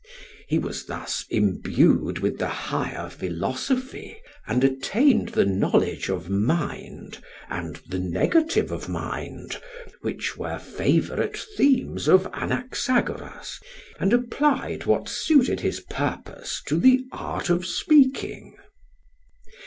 He was thus imbued with the higher philosophy, and attained the knowledge of Mind and the negative of Mind, which were favourite themes of Anaxagoras, and applied what suited his purpose to the art of speaking.